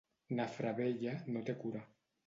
Nafra vella no té cura.